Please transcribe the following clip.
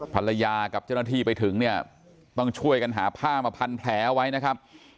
ภรรยากับเจ้าหน้าที่ไปถึงเนี่ยต้องช่วยกันหาผ้ามาพันแผลไว้นะครับ